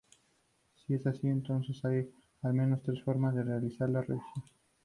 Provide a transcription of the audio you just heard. Si es así, entonces hay al menos tres formas de realizar la revisión.